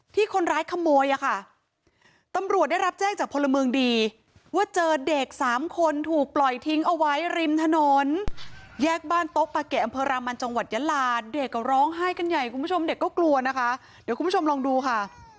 ที่คนร้ายขโมยอ่ะค่ะตำรวจได้รับแจ้งจากพลเมืองดีว่าเจอเด็กสามคนถูกปล่อยทิ้งเอาไว้ริมถนนแยกบ้านโต๊ะปาเกะอำเภอรามันจังหวัดยาลาเด็กก็ร้องไห้กันใหญ่คุณผู้ชมเด็กก็กลัวนะคะเดี๋ยวคุณผู้ชมลองดูค่ะ